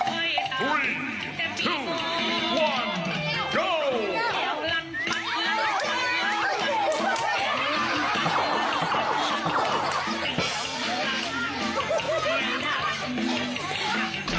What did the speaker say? โอ้โฮธรรมมาก